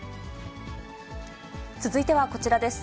続いてはこちらです。